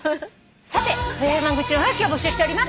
さて不平不満愚痴のおはがきを募集しております。